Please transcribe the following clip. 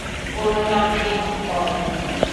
ওর নাম ডিম্পল।